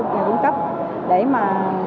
nhà cung cấp để mà